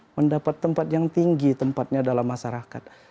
mendapat tempat yang tinggi tempatnya dalam masyarakat